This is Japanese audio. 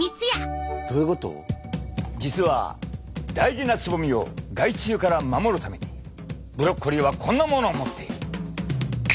実は大事なつぼみを害虫から守るためにブロッコリーはこんなものを持っている。